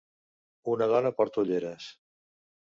una dona porta ulleres.